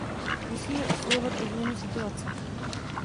Musíme usilovat o změnu situace.